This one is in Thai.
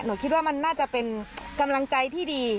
คิดว่ามันน่าจะเป็นกำลังใจที่ดี